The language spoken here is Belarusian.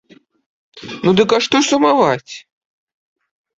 Ну дык а што сумаваць?